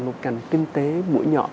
một cảnh kinh tế mũi nhỏ